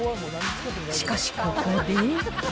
しかしここで。